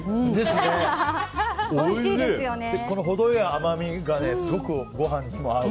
この程良い甘みがすごくご飯にも合う。